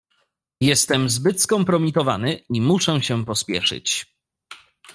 "Jestem zbyt skompromitowany i muszę się pospieszyć."